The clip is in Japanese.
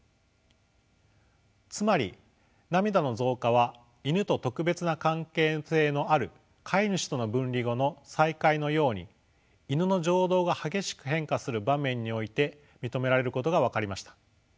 つまり涙の増加はイヌと特別な関係性のある飼い主との分離後の再会のようにイヌの情動が激しく変化する場面において認められることが分かりました。